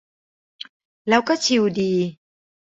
แล้วก็ชิลดี